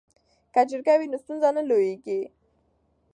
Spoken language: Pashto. که جرګه وي نو ستونزه نه لویږي.